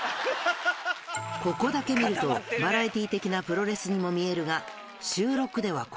ここだけ見ると、バラエティー的なプロレスにも見えるが。